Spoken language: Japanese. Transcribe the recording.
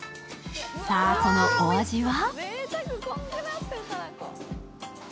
さあ、そのお味は？